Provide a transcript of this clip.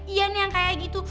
iya nih yang kayak gitu